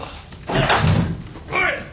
おい！